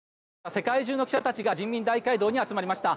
世界中の記者たちが人民大会堂に集まりました。